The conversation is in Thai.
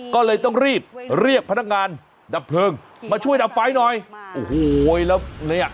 ก็เลยต้องรีบเรียกพนักงานดับเพลิงมาช่วยดับไฟหน่อยโอ้โหแล้วเนี่ย